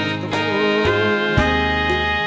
ที่เทไม่มีแค่